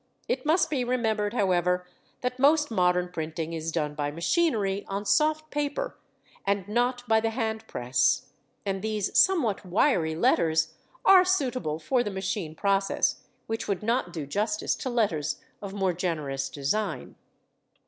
It must be remembered, however, that most modern printing is done by machinery on soft paper, and not by the hand press, and these somewhat wiry letters are suitable for the machine process, which would not do justice to letters of more generous design.